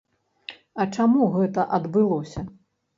А чаму гэта адбылося?